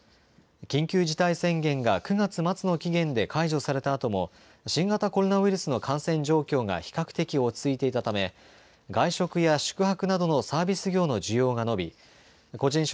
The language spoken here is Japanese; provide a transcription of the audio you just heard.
緊急事態宣言が９月末の期限で解除されたあとも新型コロナウイルスの感染状況が比較的落ち着いていたため外食や宿泊などのサービス業の需要が伸び個人